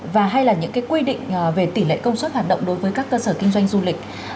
và hay là những quy định về tỷ lệ công suất hoạt động đối với các cơ sở kinh doanh du lịch